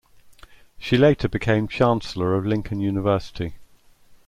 She later became Chancellor of Lincoln University.